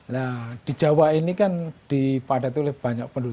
nah di jawa ini kan dipadati oleh banyak penduduk